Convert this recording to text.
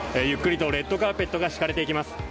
ゆっくりとレッドカーペットが敷かれていきます。